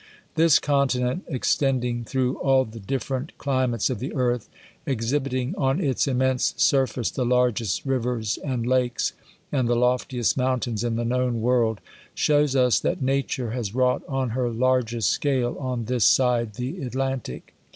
This continent, extending through all the different climates of the earth, exhibiting on its immense sur face the largest rivers and lakes, and the loftiest moun tains ii\ the known world, shews us that nature has wrought on her largest scale on this side the Atlantic.